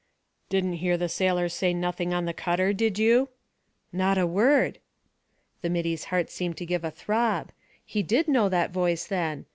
"Didn't hear the sailors say nothing on the cutter, did you?" "Not a word." The middy's heart seemed to give a throb. He did know that voice then.